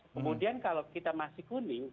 kemudian kalau kita masih kuning